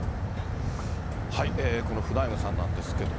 このフナイムさんなんですけども。